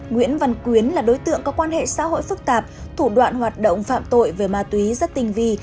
nguyễn văn quyến là đối tượng có quan hệ xã hội phức tạp thủ đoạn hoạt động phạm tội về ma túy rất tinh vi